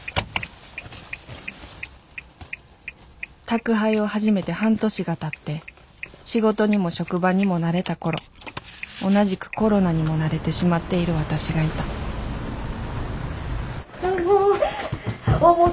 宅配を始めて半年がたって仕事にも職場にも慣れた頃同じくコロナにも慣れてしまっている私がいたどうも。